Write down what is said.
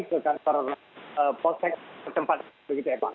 ke kantor postek ke tempat itu